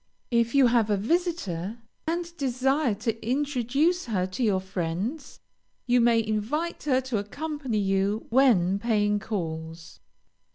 If you have a visitor, and desire to introduce her to your friends, you may invite her to accompany you when paying calls.